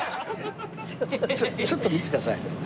ちょっと見せてください。